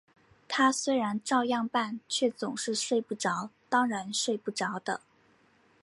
他虽然照样办，却总是睡不着，当然睡不着的